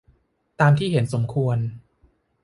ตามที่เห็นสมควร